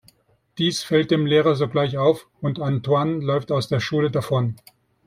Dies fällt dem Lehrer sogleich auf, und Antoine läuft aus der Schule davon.